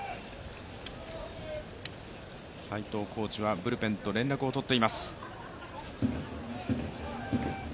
斎藤コーチはブルペンと連絡をとっています。